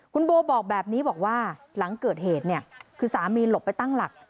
คุณโบบอกแบบนี้บอกว่าหลังเกิดเหตุเนี่ยคือสามีหลบไปตั้งหลัก